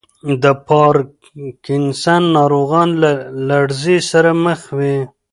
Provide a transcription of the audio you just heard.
د پارکینسن ناروغان له لړزې سره مخ وي.